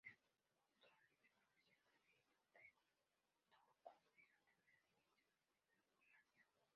Debutó a nivel profesional en el Inter Turku de la Primera División de Finlandia.